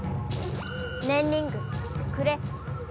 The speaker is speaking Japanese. ねんリングくれ。